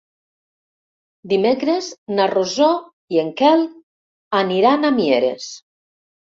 Dimecres na Rosó i en Quel aniran a Mieres.